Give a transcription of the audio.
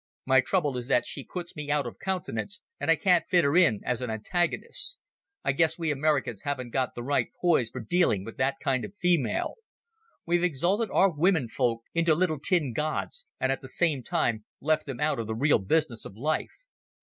My trouble is that she puts me out of countenance, and I can't fit her in as an antagonist. I guess we Americans haven't got the right poise for dealing with that kind of female. We've exalted our womenfolk into little tin gods, and at the same time left them out of the real business of life.